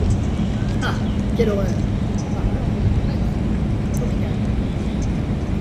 Ah ! quelle horreur ! Par l'ordre de ton maître ? LA KORIGANE.